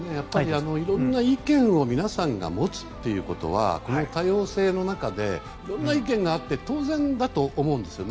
いろんな意見を皆さんが持つということは多様性の中でいろんな意見があって当然だと思うんです。